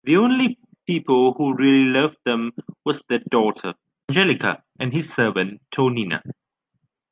The only people who really loved them was their daughter, Angelica, and his servant, Tonina.